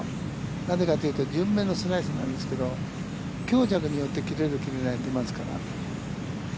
なぜかというと、順目のスライスなんですけど、強弱によって、切れる切れないが出ますから。